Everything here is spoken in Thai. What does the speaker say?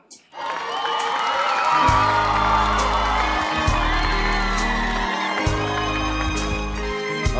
พร้อมครับ